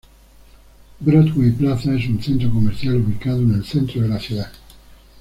Broadway Plaza es un centro comercial ubicado en el centro de la ciudad.